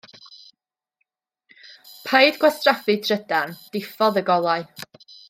Paid gwastraffu trydan, diffodd y golau.